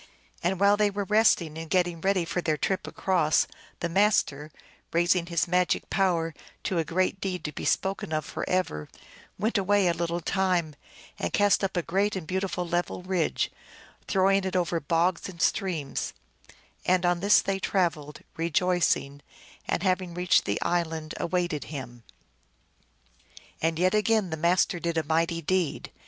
And while they were resting and getting ready for their trip across, the Master, raising his magic power to a great deed to be spoken of forever, went away a little time, and cast up a great and beautiful level ridge, throwing it over bogs and streams ; and on this they traveled, rejoicing, and, having reached the isl and, awaited him. And yet again the Master did a mighty deed.